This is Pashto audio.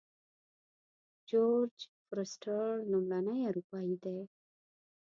جورج فورسټر لومړنی اروپایی دی.